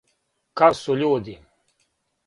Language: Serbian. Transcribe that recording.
Како су људи?